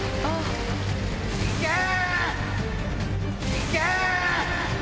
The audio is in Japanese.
いけ！